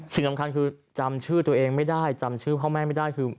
สิ่งสำคัญคือจำชื่อตัวเองไม่ได้จำชื่อพ่อแม่ไม่ได้คือ